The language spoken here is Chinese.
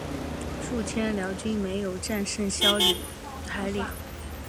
数千辽军没有战胜萧海里。